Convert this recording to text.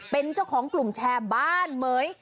เป็นเจ้าของกลุ่มแชร์บ้านเหม๋ย